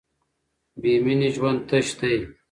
بې مینې ژوند تش دی.